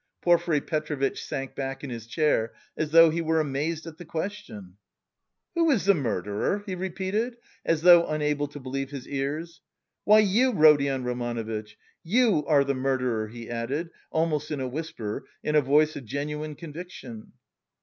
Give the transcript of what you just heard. Porfiry Petrovitch sank back in his chair, as though he were amazed at the question. "Who is the murderer?" he repeated, as though unable to believe his ears. "Why, you, Rodion Romanovitch! You are the murderer," he added, almost in a whisper, in a voice of genuine conviction.